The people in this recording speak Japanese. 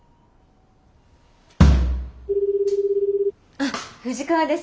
あっ藤川です。